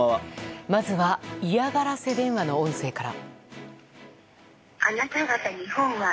まずは嫌がらせ電話の音声から。